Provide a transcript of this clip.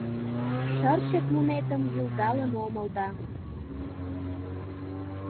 Шырчык мунетым йӱлдалын омыл да